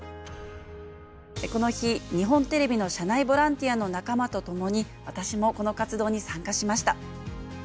この日日本テレビの社内ボランティアの仲間とともに私もこの活動に参加しました。